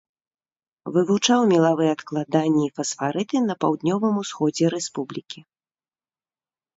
Вывучаў мелавыя адкладанні і фасфарыты на паўднёвым усходзе рэспублікі.